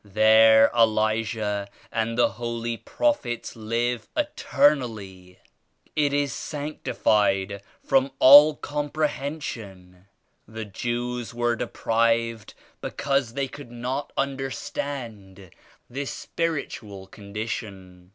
There Elijah and all the Holy Prophets live eternally. It is sanctified from all compre hension. The Jews were deprived because they could not understand this spiritual condition."